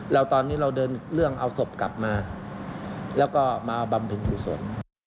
แล้วตอนนี้เราเดินเรื่องเอาศพกลับมาแล้วก็มาบำเพ็ญกุศล